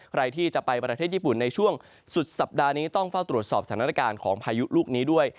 ใครที่จะไปประเทศญี่ปุ่นในช่วงสุดสัปดาห์นี้ต้องเฝ้าตรวจสอบสถานการณ์ของพายุลูกนี้ด้วย